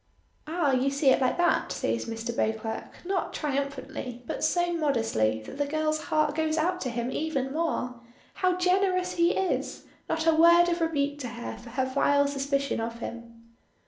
"Ah, you see it like that!" says, Mr. Beauclerk, not triumphantly, but so modestly that the girl's heart goes out to him even more. How generous he is! Not a word of rebuke to her for her vile suspicion of him.